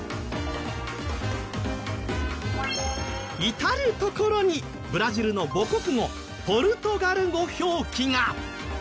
至る所にブラジルの母国語ポルトガル語表記が。